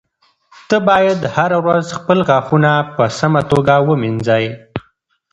ته باید هره ورځ خپل غاښونه په سمه توګه ومینځې.